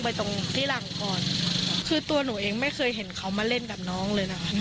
ไปตรงที่หลังก่อนคือตัวหนูเองไม่เคยเห็นเขามาเล่นกับน้องเลยนะคะ